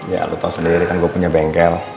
ya lo tahu sendiri kan gue punya bengkel